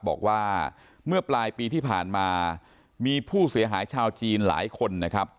บอกว่าเมื่อปลายปีที่ผ่านมามีผู้เสียหายชาวจีนหลายคนนะครับ